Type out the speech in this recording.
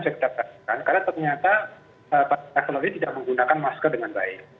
karena ternyata para traveler ini tidak menggunakan masker dengan baik